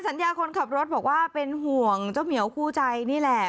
สัญญาคนขับรถบอกว่าเป็นห่วงเจ้าเหมียวคู่ใจนี่แหละ